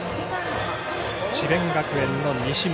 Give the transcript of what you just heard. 智弁学園の西村。